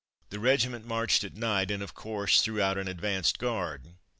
The regiment marched at night, and of course threw out an advanced guard.